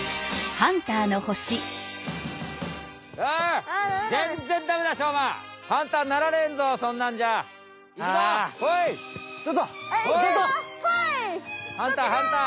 ハンターハンター！